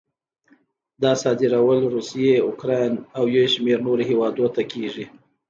دا صادرول روسیې، اوکراین او یو شمېر نورو هېوادونو ته کېږي.